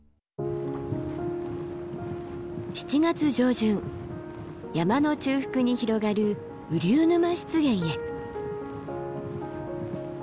７月上旬山の中腹に広がる雨竜沼湿原へ。